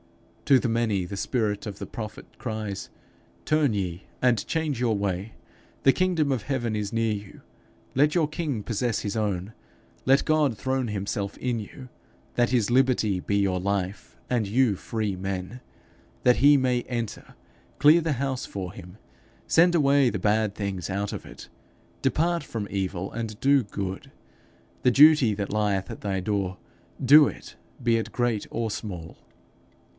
To the many, the spirit of the prophet cries, 'Turn ye, and change your way! The kingdom of heaven is near you. Let your king possess his own. Let God throne himself in you, that his liberty be your life, and you free men. That he may enter, clear the house for him. Send away the bad things out of it. Depart from evil, and do good. The duty that lieth at thy door, do it, be it great or small.'